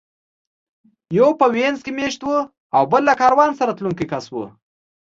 یو په وینز کې مېشت و او بل له کاروان سره تلونکی کس و